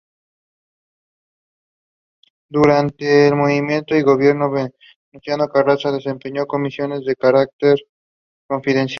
Durante el movimiento y gobierno de Venustiano Carranza desempeñó comisiones de carácter confidencial.